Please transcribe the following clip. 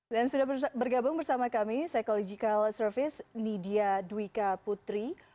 dan sudah bergabung bersama kami psychological service nidia dwika putri